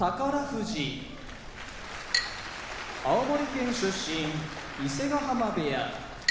富士青森県出身伊勢ヶ濱部屋